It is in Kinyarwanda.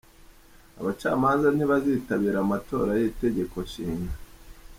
Abacamanza ntibazitabira amatora y’Itegeko Nshinga